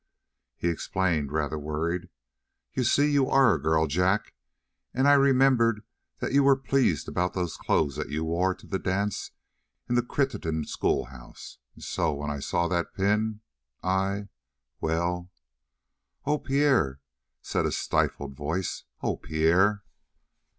He explained, rather worried: "You see, you are a girl, Jack, and I remembered that you were pleased about those clothes that you wore to the dance in the Crittenden schoolhouse, and so when I saw that pin I well " "Oh, Pierre!" said a stifled voice. "Oh, Pierre!"